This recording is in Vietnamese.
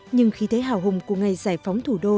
nhưng khí thế hào hùng của ngày giải phóng thủ đô